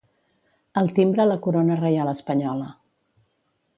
Al timbre la Corona Reial Espanyola.